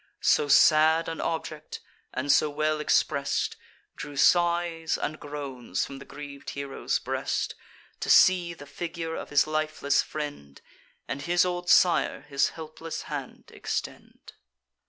So sad an object, and so well express'd, Drew sighs and groans from the griev'd hero's breast, To see the figure of his lifeless friend, And his old sire his helpless hand extend.